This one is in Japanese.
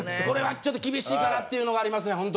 これはちょっと厳しいかなっていうのがありますね